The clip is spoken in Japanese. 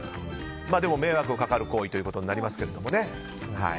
でも迷惑がかかる行為となりますけどね。